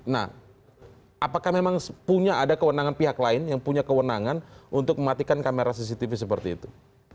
nah apakah memang punya ada kewenangan pihak lain yang punya kewenangan untuk mematikan kamera cctv seperti itu